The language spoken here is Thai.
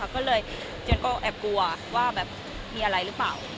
ก็เลยฉันก็แอบกลัวว่าแบบมีอะไรหรือเปล่า